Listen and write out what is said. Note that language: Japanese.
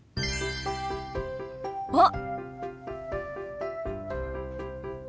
あっ！